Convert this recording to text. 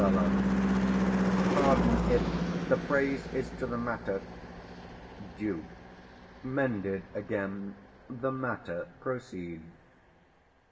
_ Pardon it; The phrase is to the matter. 90 Duke. Mended again. The matter; proceed.